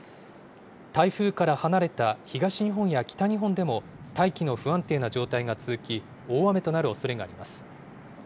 台風から離れた東日本や北日本でも、大気の不安定な状態が続き、大雨となるおそれがあります。